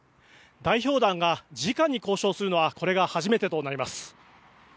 代表団がじかに交渉するのはこれが初めてとなります。